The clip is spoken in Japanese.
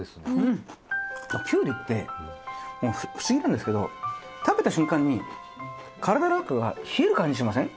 キュウリって不思議なんですけど食べた瞬間に体の中が冷える感じしません？